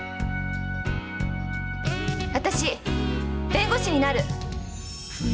私弁護士になる！